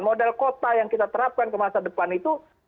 model kota yang kita terapkan ke masa depan itu